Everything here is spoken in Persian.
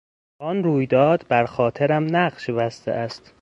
آن رویداد بر خاطرم نقش بسته است.